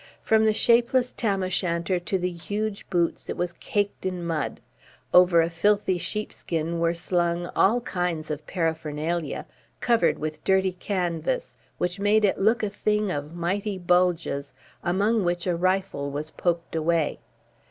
From the shapeless Tam o' Shanter to the huge boots it was caked in mud. Over a filthy sheepskin were slung all kinds of paraphernalia, covered with dirty canvas which made it look a thing of mighty bulges among which a rifle was poked away.